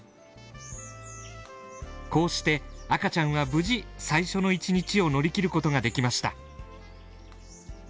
こうして赤ちゃんは無事最初の１日を乗り切ることができました。